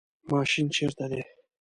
ماشین چیرته دی؟